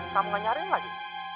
kamu gak nyarin lagi